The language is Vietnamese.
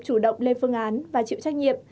chủ động lên phương án và chịu trách nhiệm